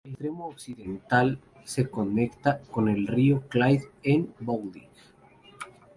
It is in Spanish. El extremo occidental del canal se conecta con el río Clyde en Bowling.